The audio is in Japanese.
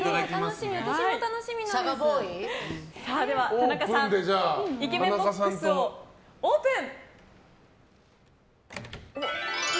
田中さんイケメンボックスをオープン。